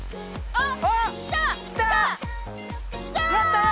あっ！